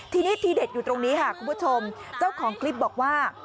ทีนี้ทีเด็ดอยู่ตรงนี้ค่ะคุณผู้ชมเจ้าของคลิปบอกว่า